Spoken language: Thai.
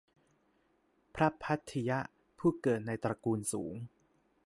พระภัททิยะ ผู้เกิดในตระกูลสูง